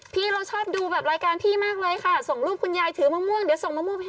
พี่เราชอบดูแบบรายการพี่มากเลยค่ะส่งรูปคุณยายถือมะม่วงเดี๋ยวส่งมะม่วงให้